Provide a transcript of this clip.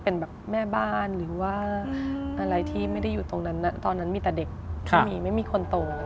ก็เห็นคนเดินผ่าน